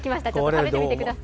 食べてみてください。